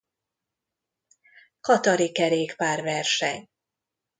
Katari kerékpárverseny.